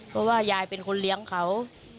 เพราะว่ายายเป็นคนเลี้ยงเขา